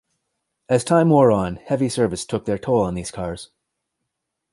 As time wore on, heavy service took their toll on these cars.